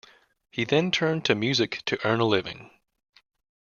He then turned to music to earn a living.